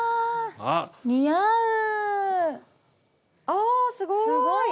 あすごい！